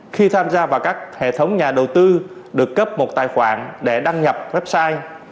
khi tham gia vào các hệ thống nhà đầu tư được cấp một tài khoản để đăng nhập website